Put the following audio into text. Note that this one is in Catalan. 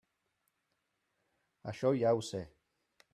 Això ja ho sé.